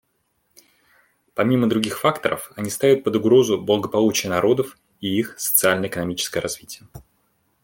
Помимо других факторов, они ставят под угрозу благополучие народов и их социально-экономическое развитие.